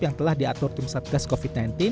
yang telah diatur tim satgas covid sembilan belas